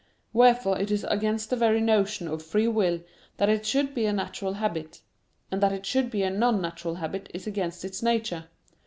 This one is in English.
Wherefore it is against the very notion of free will that it should be a natural habit. And that it should be a non natural habit is against its nature.